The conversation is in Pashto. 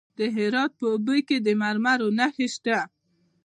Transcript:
د هرات په اوبې کې د مرمرو نښې شته.